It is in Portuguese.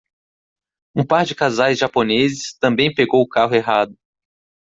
Um par de casais japoneses também pegou o carro errado